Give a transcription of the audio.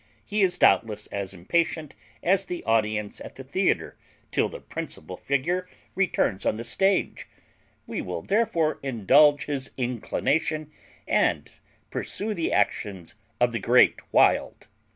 He is doubtless as impatient as the audience at the theatre till the principal figure returns on the stage; we will therefore indulge his inclination, and pursue the actions of the Great Wild.